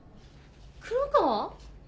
黒川